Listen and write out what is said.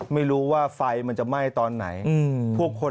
ไม่รู้ว่าไฟมันจะไหม้ตอนไหน